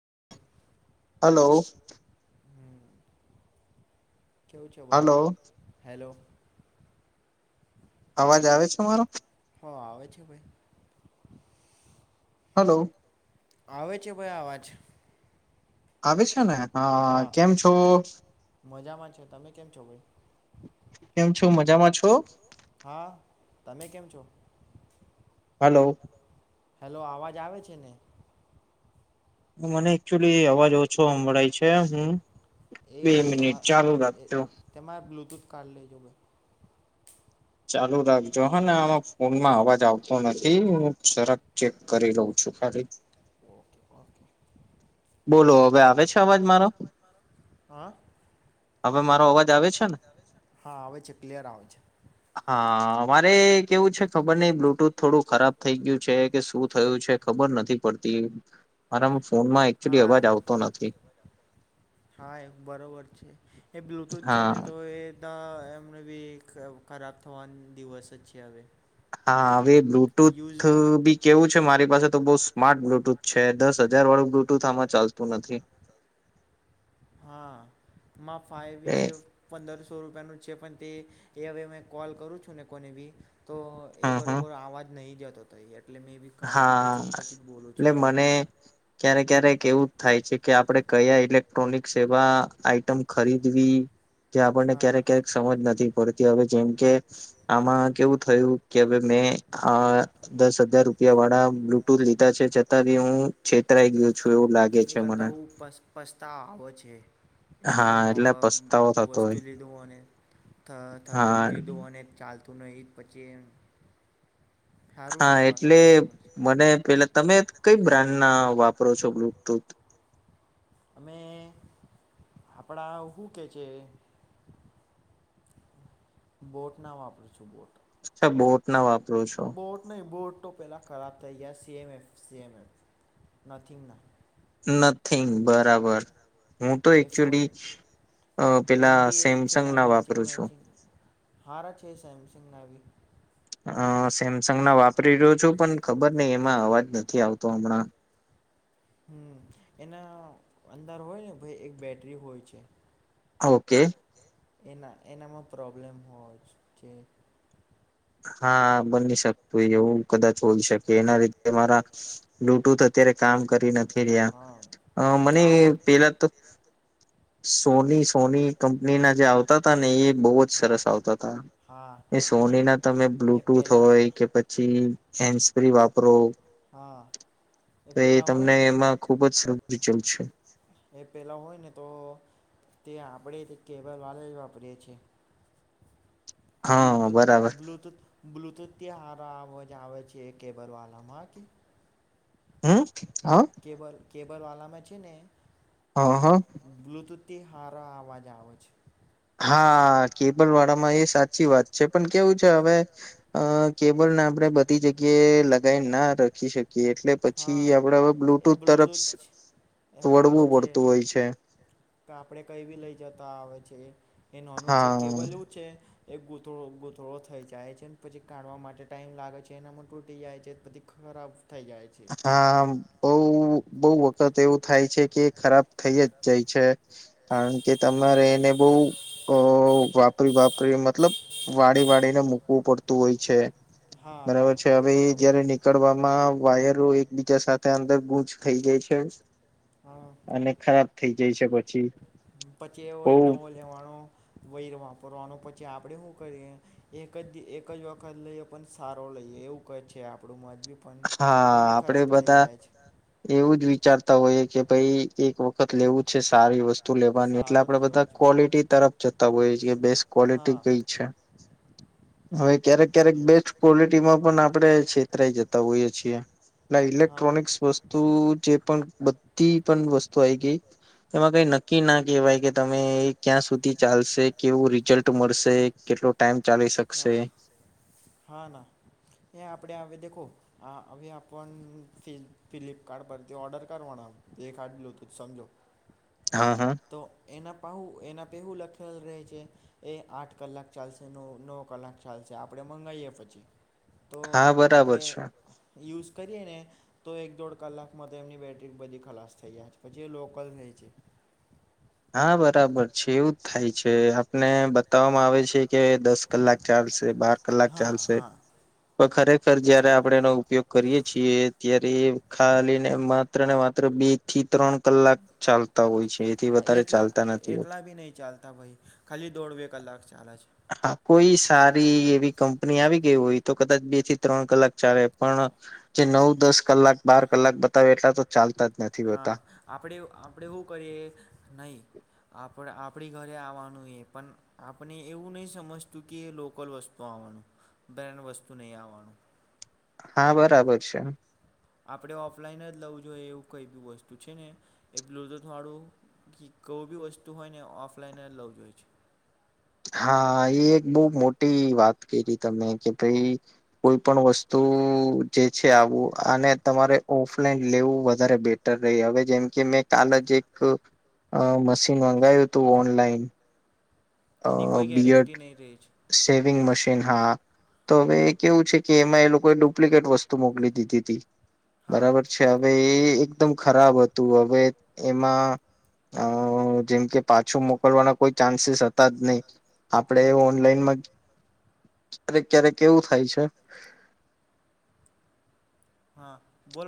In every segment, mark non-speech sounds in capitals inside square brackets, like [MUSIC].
[INAUDIBLE] Hello. હમ કેવું છે ભાઈ? Hello hello. અવાજ આવે છે મારો? હા આવે છે ને. હલો. આવે છે ભાઈ અવાજ. આવે છે ને? હા! કેમ છો? મજામાં છે. તમે કેમ છો ભાઈ? કેમ છો. મજામાં છો? હા. તમે કેમ છો? હલો. હેલો અવાજ આવે છે ને? મને એકચુલી, અવાજ ઓછો સંંભળાય છે. હ હું એ બે મિનિટ, ચાલુ રાખજો. કાલ. ચાલુ રાખજો હાને આમાં ફોનમાં અવાજ આવતો નથી. હું સરક ચેક કરી રહઉ છું ખાલી. ઓકે ઓકે બોલો, હવે આવે છે અવાજ મારો? હા? હવે મારો અવાજ આવે છે ને? હા આવે છે. ક્લિયર આવે છે. અરે કેવું છે, ખબર નઈ બ્લુટુથ થોડું ખરાબ થઈ ગયું છે. કે શું થયું છે? ખબર નથી પડતી. મારા ફોનમાં. તેરી હા અવાજ આવતો નથી. હા બરોબર છે. એ બ્લુટૂથ છે ને હા તો એ. બ એમને બી ખરાબ થવા દિવસ જ છે અવે. હા. હવે બ્લુટુથ બી કેવું છે મારી પાસે તો બહુ સ્માર્ટ બ્લુટૂથ છે. દસ હજાર વાળું બ્લુ. મોોટું થમાં ચાલતું નથી. હા. માં ફાઈી એ છે. પંદરસો રૂપિયાનું છે. પણ તે. એ હવે મે કોલ કરું છું ને કોને બી. તો એ હમ હમ બરોબર આવા જ નહીં જતો. [INAUDIBLE] કાઢ નાખું છું ને હા. પછી જ બોલું એટલે છું હે મને ક્યારે ક્યારેક કેવું થાય છે. કે આપડણે કયા ઇલેક્ટ્રોનિક સેવા આઈટમ ખરીદવી. જે આપણને હા ક્યારેક ક્યારેક સમજ નથી પડતી હવે જેમ કે, આમાં કેવું થયું કે મેં આ દસ હજાર એ વાળા બ્લુટૂથ લીધા છે જતાં બી હું છેતરાઈ ગયો છું. એવું લાગે એ છે મને કરતા હું પ પછતાવો આવે છે. એટલા હા એટલે મોગા પસ્તાવો થતો વસ્તુ હોય લીધું અને હા લીધું અને ચ ચાલતું નહી પછી એમ. સારું હા નહીં એટલે વાગતું બરોબર છે મને પેલા તમે કઈ બ્રાન્ડ ના વાપરો છો બુટ? [UNINTELLIGIBLE] અમે આપણા શું કે છે. બોટ ના વાપરું છું બોટ. અચા બોટ ના વાપ બોટ નહી બોટ. ફોટો પહેલાં ખરાબ થઈ ગયા સીએમએફ સીએમએફ નથીથિંગ ના [UNINTELLIGIBLE] નથીગ બરાબર હું તો એ ફોન એકચુલી, ફોન પેલા બી એ જ છે ના સેમસંગના મેચિંગ વાપરું છું. મેચિંગ હારા છે સેમસંગના બી સેમસંગના વાપરી રહ્યો છું પણ ખબર નહી એમાં અવાજ નથી નથી આવતો હમણાં. હમ એના અંદર હોય ને ભાઈ એક બેટરી હોય છે. ઓકે. એના એનામાં પ્રોબ્લેમ હો છે. હા બની શ હોય એવું કદાચ. હોઈ શકે એના રી મારા, બ્લુટુથ અત્યારે કામ કરી નથી હા રહ્યા, મને પેલા તો સોની સોની કંપનીના જે આવ આવતાતા ને એ. બહુજ હા સરસ આવતા હતા, હા એ અને સોનીના તમે એ બ્લુટૂથ પહેલાં હોય કે પછી હેન્ડ સ્પ્રી વાપરો, હા તો એ પહેલાં હોય તમને ને એમાં ખૂબ જ સમચલ છે. એ પહેલાં હોય ને તો તે આપણે તે કેબલ વાલે જ વાપરીએ છીએ. આ હા બ્લુટૂથ બરાબર બ્લુટથ બ્લુટથથી હારા આ હોય. આવે છે કેબર વાલામાં હ કે હમ્મ હા. કેબલ કેબલવાલામાં છે ને. હ હ. અતિ હારા અવાજ આવે છે. હા કેબલ વાળામાં એ સાચી વાત છે, પણ કેવું છે હવે અહ કેબલ ને આપણે બધી જગ્યાએ લગાઈ ના રાખી શકીએ એટલે પછી હા આપડે હવે એ બ્લુટૂથ તરફ બ્લુટુથ એ હારો વળવું છે, પડતું હોય છે કે આપડે કઈ બી લઈ જતા આવે છે. એ નોનું છે હા કેબલું જેવું જ છે એ ગૂતળો ગૂંથળો થઈ જાય છે ને પછી કાઢવા માટે ટાઈમ લાગે છે, એનામાં તૂટી જાય છે પછી ખરાબ થઈ જાય. છે હા બહું બઉુ વખત એવું થાય છે કે એ ખરાબ થઈ જ જાય છે, કારણ કે તમારે એને બહું અહ વાપરી-વાપરી મતલબ વાળી-વાળીને મૂકવું પડતું હોય છે. હા હા બરાબર છે. એ હવે ઈ બરાબર જયારે નીકળવામાં વાયરો એકબીજા સાથે અંદર ગુંચ થઇ જાય છે. હા અને ખરાબ થઇ જાય છે પછી. પછી એવો ય બહું નવો લેવાનો વૈર વાપરવાનો, પછી આપણે હું કરીએ એક જ એક જ વખત લઈએ પણ સારો લઈએ એવું કહે છે આપણું મન. હા પણ એ બી ખરાબ થઈ જાય છે. ચાર તા હોઈએ કે ભઈ એક વખ ખત લેવું જ છે સારી વસ્તુ લેવાની, એટલે સારો જ આપડે બધા લેવું છે. ક્વોલિટી તરફ જતા હોઈએ છીએ કે બેસ્ટ ક્વોલિટી હા. કઈ છે. હવે ક્યારેક-ક્યારેક બેસ્ટ ક્વોલિટીમાં પણ આપણે છેતરાઈ જત તા હોઈએ છીએ. એટલે હા. ઇલેક્ટ્રોનિકસ વસ્તુ જે પણ બધી પણ વસ્તુ આવી ગઈ એમાં કઈ નક્કી ના કહેવાય કે તમે ક્યાં સુધી ચાલશે, કેવું રિઝલ્ટ મળશે, કેટલો ટાઈમ ચાલી હા, શકશે હા ના એ આપડે હવે દેખો હા હવે આપન ફિ ફ્લિપકાર્ટ પરથી ઓર્ડર કરવાના એ કાઢલું તો સમજો હા હા તો એના પાઉ એના પેહું લખેલ રહે છે એ આઠ કલાક ચાલશેનો નો કલાક ચાલશે, આપડે મંગાઈએ પછી તો હા બરાબર આપડે છે. યુઝ કરીએ ને તો એક દોઢ કલાકમાં તો એમની બેટરી બધી ખલાસ થઈ જાય છે, પછી એ લોકલ થઈ છે. હા બરાબર છે, એવું જ થાય છે, આપ ને બતાવવામાં આવે છે કે દસ કલાક ચાલશે, બાર કલાક હા ચાલશે, હા પણ ખરેખર પછી જયારે આપણે એનો ઉપયોગ કરીએ છીએ અત્યારે એ ખાલી ને માત્ર ને માત્ર બી [INAUDIBLE] ત્રણ કલાક ચાલતા હોય છે, એથી વ હા એટલા એટલા બી નઈ ચાલતા ભાઈ, ખાલી દોઢ બે કલાક ચાલે છે. પની આવી ગઈ હોય તો કદાચ બે થી ત્રણ કલાક ચાલે પણ જે નવ, દસ કલાક, બાર કલાક બતાવે એટલા તો ચાલતા જ નથી હા હોતા આપડે આપડે હુ કરીએ નઈ આપડે આપ આપડી ઘરે આવવાનું એ પણ આપણે એવું નહીં સમજતું કે એ લોકલ વસ્તુ આવવાનું બ્રેન્ડ વસ્તુ નહીં આવવાનું. હા બરાબર છે. આપણે ઓફલાઈન જ લવું જોઈએ એવું કઈ બી વસ્તુ છે ને એ બ્લુટૂથ વાળું કી કો બી વસ્તુ હોય ને ઓફલાઈન જ લવું જોઈએ છે. હા એ એક બઉ મોટી વાત કરી તમે કે ભાઈ કોઈ પણ વસ્તુ જે છે આવું આને તમારે ઓફલાઈન લેવું વધારે બેટર રે હવે જેમ કે મેં કાલ જ એક મશીન મંગાયુ તું ઓનલાઈન એની અ કોઈ બિયડ ગેરંટી નહીં રહે છે શેવિંગ મશીન હા. તો હવે એ કેવું છે કે એમાં એ લોકોએ ડુપ્લિકેટ વસ્તુ મોકલી દીધી તી. હા બરાબર છે હવે એકદમ ખરાબ હતું હવે એમાં અઅઅ જેમ કે પાછો મોકલવાના કોઈ ચાન્સીસ અ ત જ નહી. આપડે હમ ઓનલાઈન માં ક્યારેક ક્યારેક એવું થાય છે હા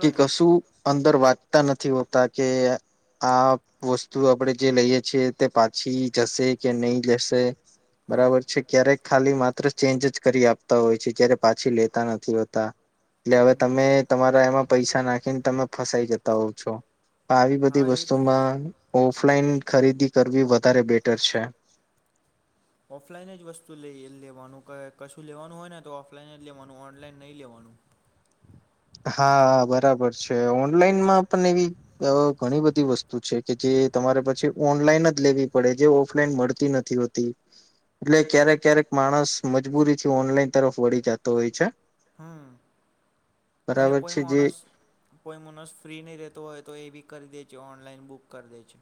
કે ને કશું અન અંદર વાંચતા નથી હોતા કે આ વસ્તુ આપડે જે લઈએ છીએ તે પાછી જશે કે નહી લેશે. હા બરાબર છે ક્યારેક ખાલી માત્ર ચેન્જ જ કરી આપતા હોય છે. જયારે પાછી લેતા નથી હોતા. એટલે હવે હમ તમે તમારા એમાં પૈસા નાખીને તમે ફસાઈ જતા હોવ છો. આવી બધી હા એ જ છે ને વસ્તુમાં ઓફલાઈન ખરીદી કરવી વધારે બેટર છે. ઓફલાઈન જ વસ્તુ લઈ લેવાનું ક કશું લેવાનું હોય ને તો ઓફલાઈન જ લેવાનું ઓનલાઈન નહી લેવાનું. હા બરાબર છે. ઓનલાઈનમાં પણ એવી અ ઘણી બધી વસ્તુ છે કે જે તમારે પછી ઓનલાઈન જ લેવી પડે જે ઓફલાઈન મળતી નથી હોતી. એટલે ક્યારેક ક્યારેક માણસ મજબૂરીથી ઓનલાઈન તરફ વળી જાતો હોય છે. વને બરાબર કોઈ છે જે માણસ કોઈ માણસ ફ્રી નઈ રહેતુ હોય તો એ બી કરી દે છે ઓનલાઈન બુક કરી દે છે.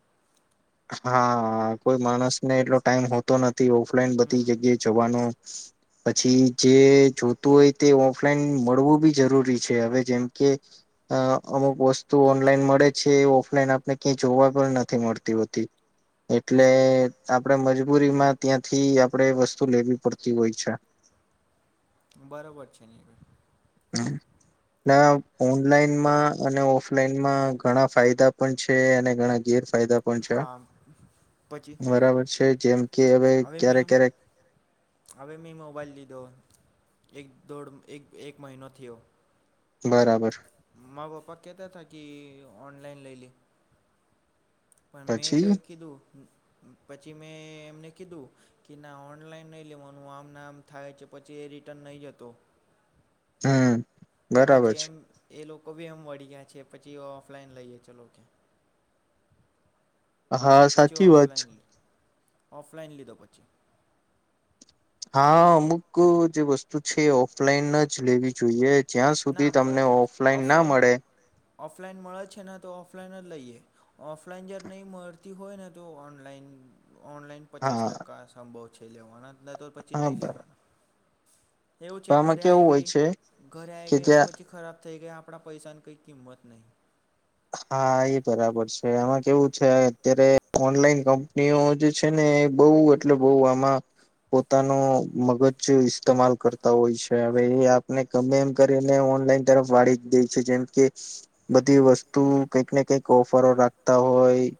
હા કોઈ માણસ ને એટલો ટાઈમ હોતો ન ઓફલાઈન બધી હમ જગ્યાએ જવાનો પછી જે જોતું હોય તે ઓફલાઈન મળવું બી જરૂરી છે. હવે જેમ કે અ અમુક વસ્તુ ઓનલાઈન મળે છે. ઓફલાઈન આપને ક્યાંય જોવા પણ નથી મળ તીવતી એટલે હમ આપડે મજ બૂરીમાં ત્યાંથી આપડે વસ્તુ લેવી પડતી હોય છે. બરોબર છે ને. ના ઓનલાઈનમાં અને ઓફલાઈનમાં ઘણા ફાયદા પણ છે અને ઘણા ગેર હા પછી બરાબર છે જેમ કે હવે મે ક્યારેક ક્યારેક હવે મેં મોબાઈલ લીધો એક દોડ એક એક મહિનો થયો. બરાબર. મા બાપા કેતા થ કે ઓનલાઈન લઈ લી પણ મેં પછી કઈ કીધું પછી મેં એમને કીધું કે ના ઓનલાઈન નહી લેવાનું આમ ના આમ થાય છે પછી એ રિટર્ન નહી જતો. હમ તો બરાબર પછી છે એમ એ લોકો ભી એમ વળ્યા છે. પછી ઓફલાઈન લઈએ ચલો કે. હા પછી સાચી વાત છે. ઓફલાઈન ઓફલાઈન લીધો પછી. હા અમુક જે વસ્તુ છે ઓફલાઈન જ લેવી જોઈએ. જ્યાં ના સુધી તમને ભાઈ ઓફલાઈન ના મળે ઓફલાઈન મળે છે ને તો ઓફલાઈન જ લઈએ ઓફલાઈન જ્યારે નહીં મળતી હોય ને તો ઓનલાઈન ઓનલાઈન પચાસ હા ટકા સંભવ છેલ્લેવણા. નાતોર પછી હા નહીં બરાબર લેવાનું. એવું છે તો આમાં ઘરે કેવું આઈ હોય ગઈ છે ઘરે આઈ કે ગઈ ને જ્યાં પછી ખરાબ થઈ ગયા આપડા પૈસાની કંઈ કિંમત નહીં. હા, એ બરાબર છે આમાં કેવું છે અત્યારે ઓનલાઈન કંપનીઓ જે છે ને એ બહુ એટલે બહુ આમાં પોતાનો મગજ ઇસ્તેમાલ કરતા હોય છે હવે એ આપને ગમે એમ કરીને ઓનલાઈન તરફ વાળી જ દે છે જેમ કે બધી વસ તું કંઈક ને કઈક ઓફરો રાખતા હોય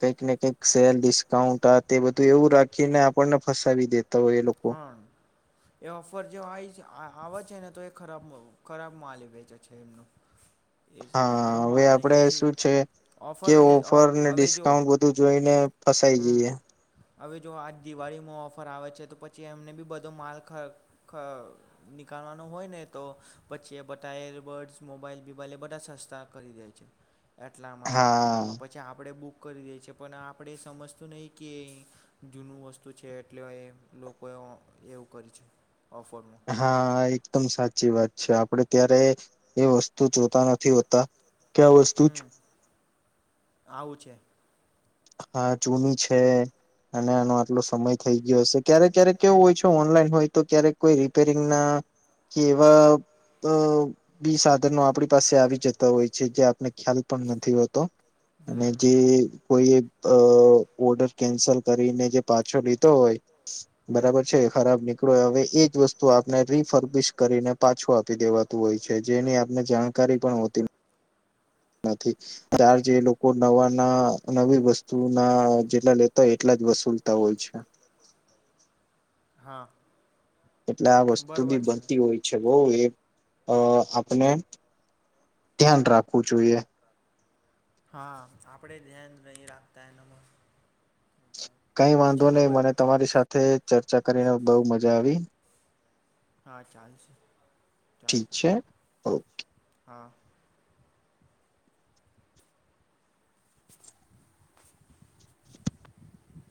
કંઈક ને કઈક સેલ ડિસ્કાઉન્ટ આ તે બધું એવું રાખીને આપણને ફસાવી દે. હા, એ ઓફર જે આવી છે હા હાવર છે ને તો એ ખરાબ ખરાબ માલ વેચે છે એમનું. હા હવે આપડે શું છે કે ઓફર ને હવે જો ડિસ્કાઉન્ટ બધું જોઈને ફસાઈ હં જઈએ. હવે જો આજ દિવાળીમાં ઓફર આવે છે તો પ છી એમને બી બધો માલ ખ ખ નીકળવાનો હોય ને તો પછી એ બધા એરબર્ડસ મોબાઈલ બીબાઈલ એ બધા સસ્તા કરી દે છે. એટલામાં હા એટલામાં પછી આપડે બુક કરી દે છે પણ આપડે સમજતું નહીં કે જૂનું વસ્તુ છે એટલે એ લોક કોઈ ઓ એવું કરી છે. ઓફરમાં હા, એકદમ સાચી વાત છે. આપડે ત્યારે એ વસ્તુ જોતા નથી હોતા કે આ વસ્તુ હમ્મ, આવું છે. હા જૂની છે અને આનો આટલો સમય થઈ ગયો શે ક્યારે ક્યારેક કેવું હમ હોય છે ઓનલાઈન હોય તો ક્યારેક કોઈ રી રિપેરિંગ ના કે એવા બ બી સાધનો આપણી પાસે આવી જતા હોય છે જે આપને ખ્યાલ પણ નથી હો તો અને હમ જે કોઈએ અ ઓર્ડર કેન્સલ કરીને જે પાછો લીધો હોય હમ બરાબર છે ખરાબ ની પડે હવે એ જ વસ્ત તુ આપને રીફર્બિશ કરીને પાછું આપી દેવાતું હોય છે જેની આપને જાણકારી પણ હોતી નથી તાર જે લોકો નવા ના નવી વસ્તુના જેટલા લેતા હોય એટલા જ વસૂલતા હોય છે. હા. એટલે આ વસ્તુ બરોબર બી છે બનતી હોય છે બઉ એ અ આપણે ધ્યાન રાખવું જોઈએ. હા આપડે ધ્યાન નહી રાખતા એનામાં કંઈ વાંધો ચાલો નઈ ભાઈ મને પછી તમારી સાથે ચર્ચા કરીને બઉ મજા આવી. હા ચાલશે ઠીક ચાલશે છે ઓ ચાલશે હા.